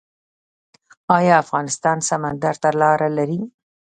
آیا افغانستان سمندر ته لاره لري؟